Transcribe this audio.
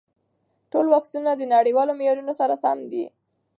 ټول واکسینونه د نړیوالو معیارونو سره سم دي.